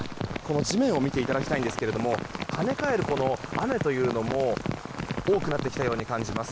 地面を見ていただきたいんですがはね返る雨というのも多くなってきたように感じます。